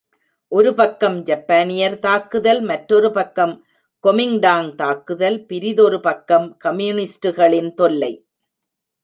ஒரு பக்கம் ஜப்பானியர் தாக்குதல், மற்றொர் பக்கம் கொமிங்டாங் தாக்குதல், பிரிதொரு பக்கம் கம்யூனிஸ்டுகளின் தொல்லை.